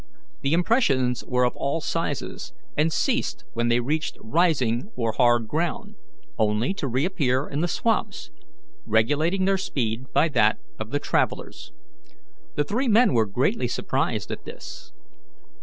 The impressions were of all sizes, and ceased when they reached rising or hard ground, only to reappear in the swamps, regulating their speed by that of the travellers. The three men were greatly surprised at this.